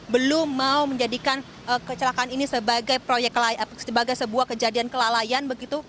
belum mau menjadikan kecelakaan ini sebagai sebuah kejadian kelalaian begitu